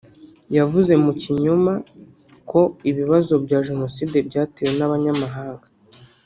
yavuze mukinyoma ko ibibazo bya jenoside byatewe n’ abanyamahanga